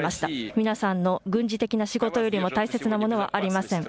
皆さんの軍事的な仕事よりも大切なものはありません。